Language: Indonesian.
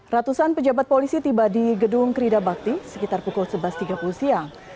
ratusan pejabat polisi tiba di gedung krida bakti sekitar pukul sebelas tiga puluh siang